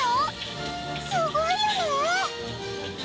すごいよね！